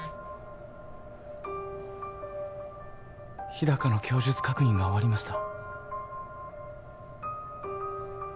「日高の供述確認が終わりました」